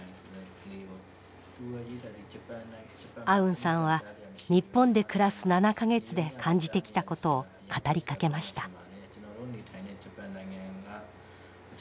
アウンさんは日本で暮らす７か月で感じてきたことを語りかけました。